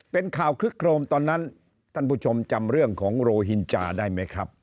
เป็นข่าวคลึกโครมตอนนั้นท่านผู้ชมจำเรื่องของโรหินจาได้ไหมครับ